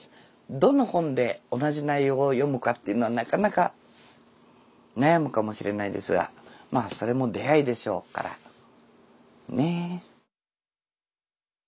どの本で同じ内容を読むかっていうのはなかなか悩むかもしれないですがまあそれも出会いでしょうからね。